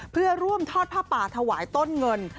เพื่อร่วมทอดผ้าป่าถวายต้นเงิน